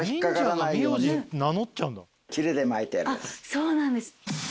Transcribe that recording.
そうなんですか。